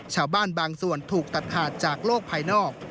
ชาวบ้านบางส่วนถูกตัดขาดจากโลกภายนอก